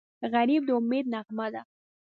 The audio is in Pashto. غریب د امید نغمه ده